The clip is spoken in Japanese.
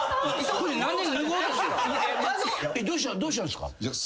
どうしたんすか。